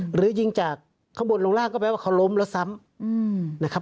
หรือยิงจากข้างบนลงล่างก็แปลว่าเขาล้มแล้วซ้ำนะครับ